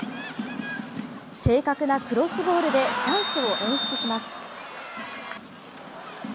正確なクロスボールでチャンスを演出します。